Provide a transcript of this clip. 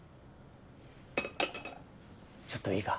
ちょっといいか？